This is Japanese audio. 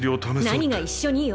何が「一緒に」よ。